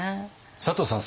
佐藤さん